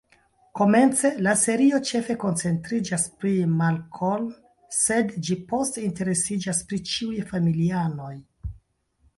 Komence, la serio ĉefe koncentriĝas pri Malcolm, sed ĝi poste interesiĝas pri ĉiuj familianoj.